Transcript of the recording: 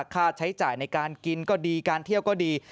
ค่าใช้จ่ายในการกินก็ดีการเที่ยวก็ดี